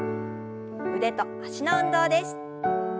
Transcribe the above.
腕と脚の運動です。